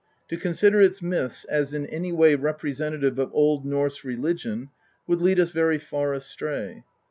To con sider its myths as in any way representative of Old Norse religion would lead us very far astray.